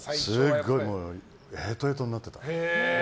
すごい、へとへとになってた。